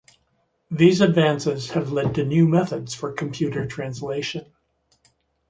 These advances have led to new methods for computer translation.